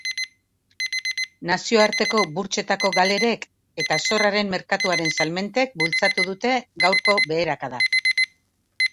Nazioarteko burtsetako galerek eta zorraren merkatuaren salmentek bultzatu dute gaurko beherakada.